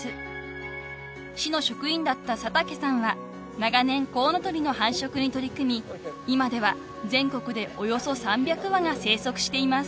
［市の職員だった佐竹さんは長年コウノトリの繁殖に取り組み今では全国でおよそ３００羽が生息しています］